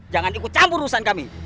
jangan ikut campur urusan kami